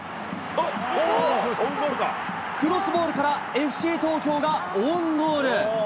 クロスボールからＦＣ東京がオウンゴール。